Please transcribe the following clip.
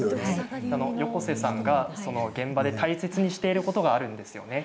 横瀬さんが現場で大切にしていることがあるんですよね。